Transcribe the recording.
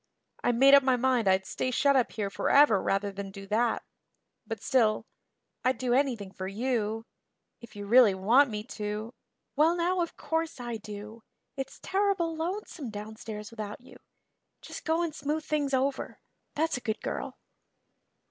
I made up my mind I'd stay shut up here forever rather than do that. But still I'd do anything for you if you really want me to " "Well now, of course I do. It's terrible lonesome downstairs without you. Just go and smooth things over that's a good girl."